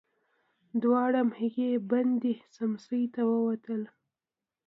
دواړه هماغې بندې سمڅې ته ووتل.